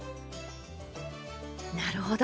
なるほど。